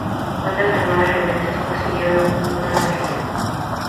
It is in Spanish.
Bandas armadas remensas siguieron actuando por la región.